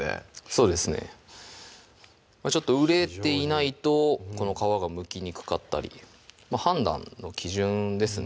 そうですねちょっと熟れていないとこの皮がむきにくかったり判断の基準ですね